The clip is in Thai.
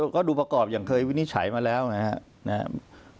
ก็ดูประกอบอย่างเคยวินิจฉัยมาแล้วนะครับ